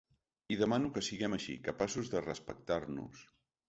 I demano que siguem així, capaços de respectar-nos.